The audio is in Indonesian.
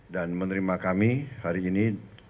dan menerima kami hari ini